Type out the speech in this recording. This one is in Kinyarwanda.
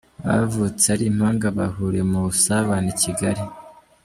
Abavutse ari impanga bahuriye mu busabane i Kigali